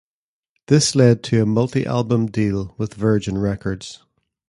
This led to a multi-album deal with Virgin Records.